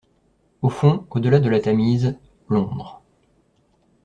Au fond, au-delà de la Tamise, Londres.